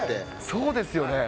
そうですよね。